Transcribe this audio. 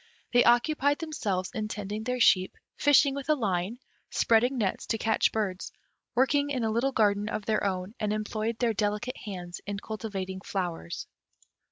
They occupied themselves in tending their sheep, fishing with a line, spreading nets to catch birds, working in a little garden of their own, and employed their delicate hands in cultivating flowers.